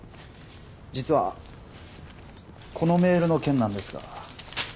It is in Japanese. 実はこのメールの件なんですが。